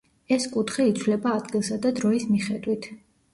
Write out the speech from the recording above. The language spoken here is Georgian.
ეს კუთხე იცვლება ადგილსა და დროის მიხედვით.